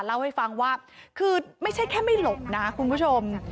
เล่าให้ฟังว่าคือไม่ใช่แค่ไม่หลบนะคุณผู้ชม